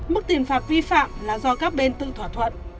mức tiền phạt vi phạm là do các bên tự thỏa thuận